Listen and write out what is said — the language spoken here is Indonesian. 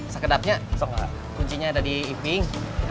sekedapnya kuncinya ada di eping